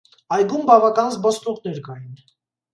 այգում բավական զբոսնողներ կային: